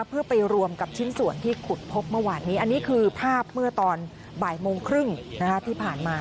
เพื่อไปรวมกับชิ้นส่วนที่ขุดพบเมื่อวานนี้อันนี้คือภาพเมื่อตอนบ่ายโมงครึ่งที่ผ่านมา